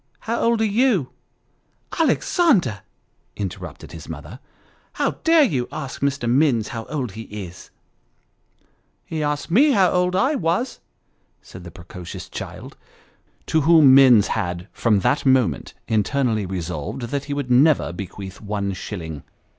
How old are you ?"" Alexander," interrupted his mother, " how dare you ask Mr. Minns how old he is !" 240 Sketches by Boz. " He asked me how old I was," said the precocious child, to whom Minns had from that moment internally resolved that he never would bequeath one shilling.